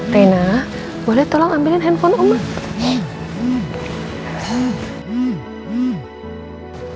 reina boleh tolong ambilin handphone emah